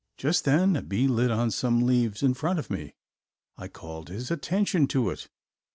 Just then a bee lit on some leaves in front of me. I called his attention to it.